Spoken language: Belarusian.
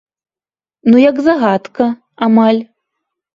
Ну як загадка, амаль.